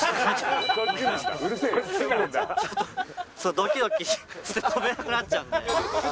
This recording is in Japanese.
ドキドキして跳べなくなっちゃうんで。